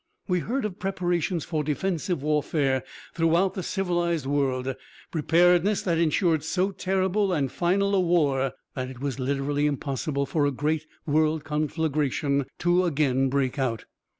We heard of preparations for defensive warfare throughout the civilized world, preparedness that insured so terrible and final a war that it was literally impossible for a great world conflagration to again break out.